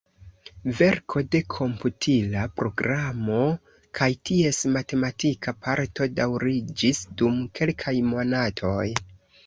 Verko de komputila programo kaj ties matematika parto daŭriĝis dum kelkaj monatoj.